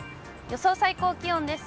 予想最高気温です。